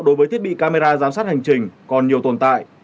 đối với thiết bị camera giám sát hành trình còn nhiều tồn tại